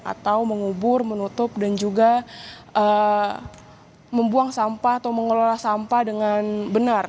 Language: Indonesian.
atau mengubur menutup dan juga membuang sampah atau mengelola sampah dengan benar